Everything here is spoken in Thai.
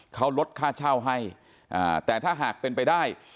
เขาลดค่าเช่าให้แต่ถ้าหากเป็นไปได้